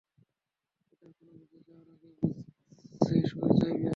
Peter, কোনোকিছু চাওয়ার আগে বুঝেশুনে চাইবে।